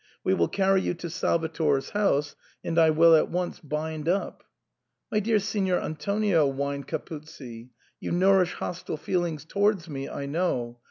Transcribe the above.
We will carry you to Salvator's house and I will at once bind up "" My dear Signor Antonio," whined Capuzzi, " you nourish hostile feelings towards me, I know."